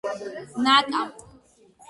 ნატა